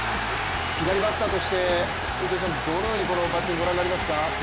左バッターとしてどのようにこのバッティングご覧になりますか？